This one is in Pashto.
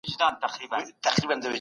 مشرانو ته باید احترام وکړو.